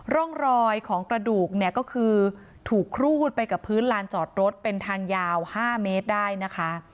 ร่องรอยของกระดูกเนี่ยก็คือถูกครูดไปกับพื้นลานจอดรถเป็นทางยาว๕เมตรได้นะคะ